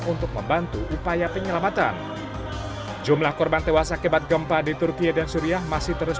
untuk membantu upaya penyelamatan jumlah korban tewas akibat gempa di turkiye dan suriah masih terus